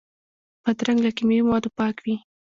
بادرنګ له کیمیاوي موادو پاک وي.